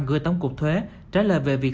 gửi tấm cục thuế trả lời về việc